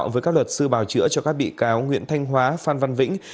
với các luật sư bảo chữa cho các bị cáo nguyễn thanh hóa phan văn vĩnh